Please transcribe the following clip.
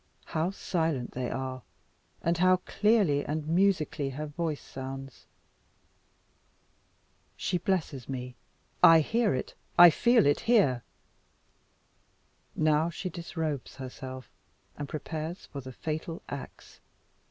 How silent they are, and how clearly and musically her voice sounds! She blesses me. I hear It! I feel it here! Now she disrobes herself, and prepares for the fatal axe.